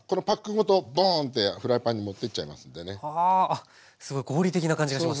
あっすごい合理的な感じがします。